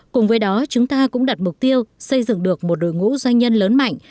cùng với đó chúng ta cũng đặt mục tiêu xây dựng được một đội ngũ doanh nhân lớn mạnh